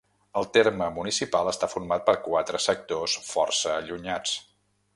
El terme municipal està format per quatre sectors força allunyats.